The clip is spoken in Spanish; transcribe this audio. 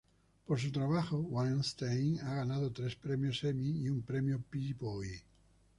Por su trabajo, Weinstein ha ganado tres premios Emmy y un premio Peabody.